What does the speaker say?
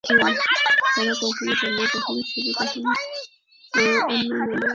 তারা কখনো জামায়াত, কখনো শিবির, কখনো অন্য নামে হত্যাযজ্ঞ চালিয়ে যাচ্ছে।